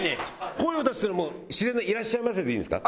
声を出すっていうの自然な「いらっしゃいませ」でいいんですか？